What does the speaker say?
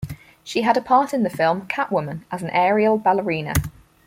She had a part in the film "Catwoman" as an aerial ballerina.